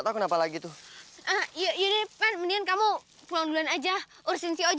sampai jumpa di video selanjutnya